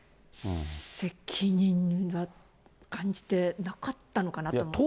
責任は感じてなかったのかなと。